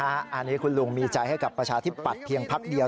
อันนี้คุณลุงมีใจให้กับประชาธิปัตยเพียงพักเดียว